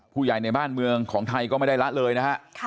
ผู้ใหญ่ในบ้านเมืองของไทยก็ไม่ได้ละเลยนะฮะ